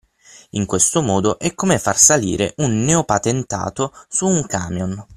In questo modo è come far salire un neopatentato su un camion.